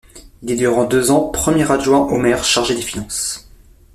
Il est durant deux ans premier adjoint au maire chargé des finances.